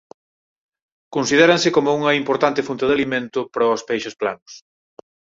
Considéranse como unha importante fonte de alimento para os peixes planos.